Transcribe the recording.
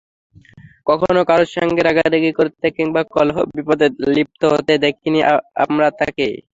কখনো কারও সঙ্গে রাগারাগি করতে কিংবা কলহ-বিবাদে লিপ্ত হতে দেখিনি আমরা তাঁকে।